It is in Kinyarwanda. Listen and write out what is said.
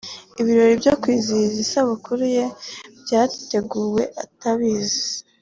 Ibirori byo kwizihiza isabukuru ye byateguwe atabizi